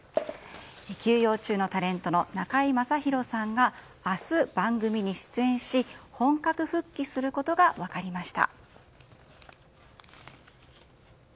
休養中のタレントの中居正広さんが明日、番組に出演し本格復帰することが分かりました。